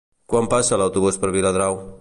Quan passa l'autobús per Viladrau?